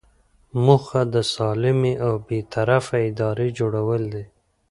موخه د سالمې او بې طرفه ادارې جوړول دي.